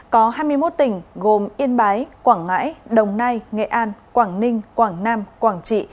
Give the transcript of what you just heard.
có hai mươi một tỉnh gồm yên bái quảng ngãi đồng nai nghệ an quảng ninh quảng nam quảng trị